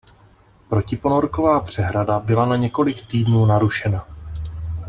Protiponorková přehrada byla na několik týdnů narušena.